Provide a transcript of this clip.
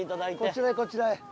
こちらへこちらへ。